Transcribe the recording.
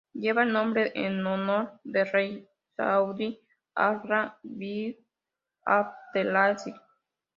Lleva el nombre en honor del Rey saudí Abdalá bin Abdelaziz.